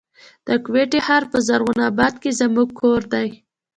د کوټي ښار په زرغون آباد کي زموږ کور دی.